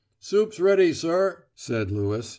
"Soup's ready, sir," said Lewis.